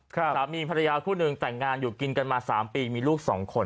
สามีภรรยาคู่หนึ่งแต่งงานอยู่กินกันมา๓ปีมีลูกสองคน